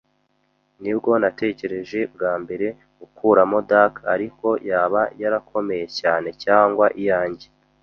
Nibwo natekereje bwa mbere gukuramo dirk, ariko yaba yarakomeye cyane cyangwa iyanjye